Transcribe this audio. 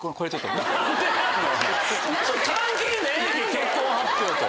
結婚発表と。